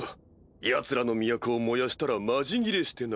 ヤツらの都を燃やしたらマジギレしてな。